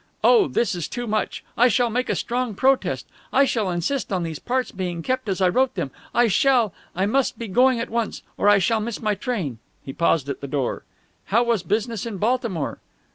Oh, this is too much! I shall make a strong protest! I shall insist on these parts being kept as I wrote them! I shall.... I must be going at once, or I shall miss my train." He paused at the door. "How was business in Baltimore?"